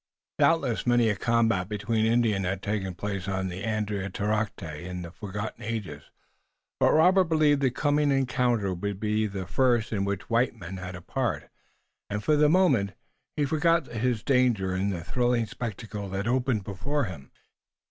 Doubtless many a combat between Indians had taken place on Andiatarocte in the forgotten ages, but Robert believed the coming encounter would be the first in which white men had a part, and, for the moment, he forgot his danger in the thrilling spectacle that opened before him.